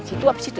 situ apa situ